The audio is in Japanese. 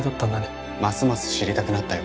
ますます知りたくなったよ